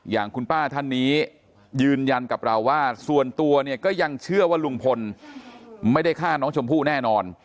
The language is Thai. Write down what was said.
อย่างคุณป้าท่านนี้ยืนยันกับเราว่าส่วนตัวเนี่ยก็ยังเชื่อว่าลุงพลไม่ได้ฆ่าน้องชมพู่แน่นอน